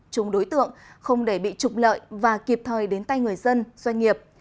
chung đối tượng không để bị trục lợi và kịp thời đến tay người dân doanh nghiệp